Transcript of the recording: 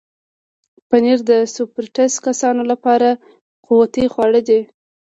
پنېر د سپورټس کسانو لپاره قوتي خواړه دي.